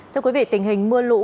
thưa quý vị tình hình mưa lũ